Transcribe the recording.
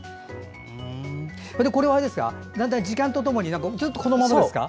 これはだんだん時間と共にずっとこのままですか？